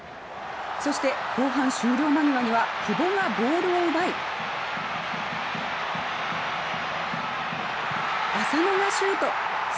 そして後半終了間際には久保がボールを奪い浅野がシュート。